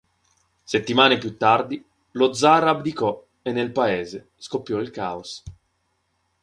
Settimane più tardi, lo Zar abdicò e nel Paese scoppiò il caos.